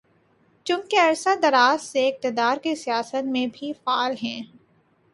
چونکہ عرصۂ دراز سے اقتدار کی سیاست میں بھی فعال ہیں۔